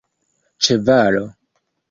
ĉevalo